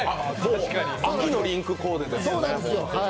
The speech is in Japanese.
秋のリンクコーデですね。